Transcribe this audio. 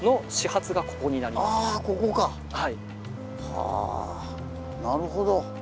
はぁなるほど。